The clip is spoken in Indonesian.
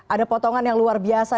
ada potongan yang luar biasa